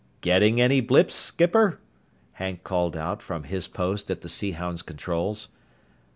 "Getting any blips, skipper?" Hank called out from his post at the Sea Hound's controls.